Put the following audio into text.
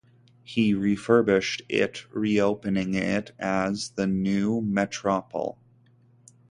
He refurbished it, re-opening it as the New Metropole.